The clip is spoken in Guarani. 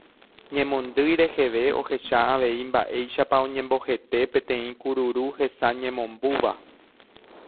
Ñemondýi reheve ohecha avei mba'éichapa oñembohete peteĩ kururu hesa ñemombúva.